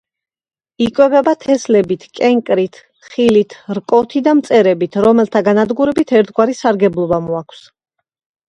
იკვებება თესლებით, კენკრით, ხილით, რკოთი და მწერებით, რომელთა განადგურებით ერთგვარი სარგებლობა მოაქვს.